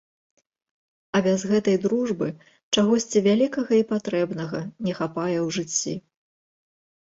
А без гэтай дружбы чагосьці вялікага і патрэбнага не хапае ў жыцці.